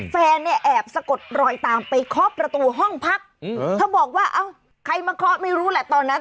แฟนเนี่ยแอบสะกดรอยตามไปเคาะประตูห้องพักเธอบอกว่าเอ้าใครมาเคาะไม่รู้แหละตอนนั้น